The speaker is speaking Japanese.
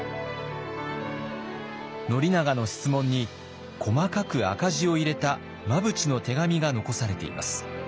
宣長の質問に細かく赤字を入れた真淵の手紙が残されています。